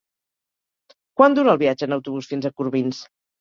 Quant dura el viatge en autobús fins a Corbins?